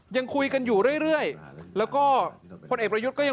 แด๊กคือชื่อเล่นของคุณธนกรอ่า